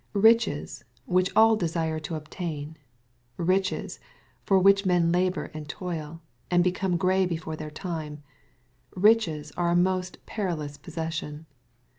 Riches, which all desire to obtain, — ^riches, for which men labor and toil, and become gray before their time, — riches are a most perilous possession.